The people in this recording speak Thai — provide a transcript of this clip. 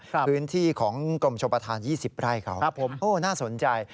พื้นที่ของกรมชมประทาน๒๐ไร่เขาโหน่าสนใจ